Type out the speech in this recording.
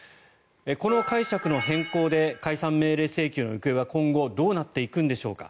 この解釈の変更で解散命令請求の行方は今後どうなっていくんでしょうか。